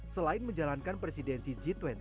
selain menjalankan presidensi g dua puluh